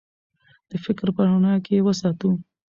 د فکر په رڼا کې یې وساتو.